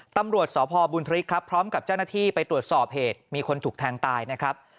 ตำรวจสพบุญธริกครับพร้อมกับเจ้าหน้าที่ไปตรวจสอบเหตุมีคนถูกแทงตายนะครับ